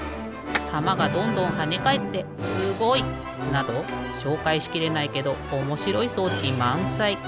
たまがどんどんはねかえってすごい！などしょうかいしきれないけどおもしろい装置まんさい！